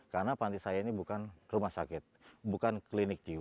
karena panti saya ini bukan rumah sakit bukan klinik jiwa